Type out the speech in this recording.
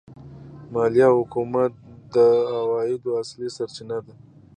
مالیه د حکومت د عوایدو اصلي سرچینه ده.